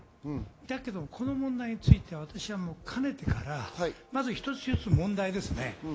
だけど、この問題については私はかねてからまず一つずつ問題ですよね。